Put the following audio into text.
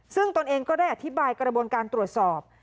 ซึ่งตนเองก็ได้อธิบายกระบวนการตรวจสอบ